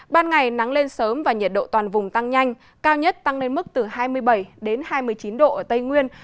ban ngày nắng lên sớm và nhiệt độ toàn vùng tăng nhanh cao nhất tăng lên mức từ hai mươi bảy hai mươi chín độ ở tây nguyên